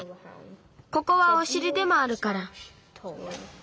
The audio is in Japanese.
ここはおしりでもあるから。